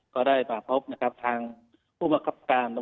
ก็ได้ประพฟลุทางผู้บังคับการ